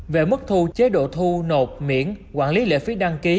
về mức thu chế độ thu nộp miễn quản lý lệ phí đăng ký